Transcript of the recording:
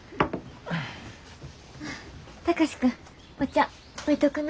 貴司君お茶置いとくな。